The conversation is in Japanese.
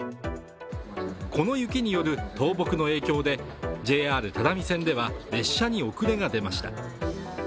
この雪による倒木の影響でＪＲ只見線では列車に遅れが出ました。